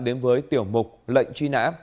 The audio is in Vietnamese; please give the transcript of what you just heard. đến với tiểu một lệnh truy nã